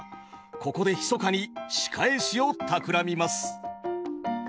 ここでひそかに仕返しをたくらみます。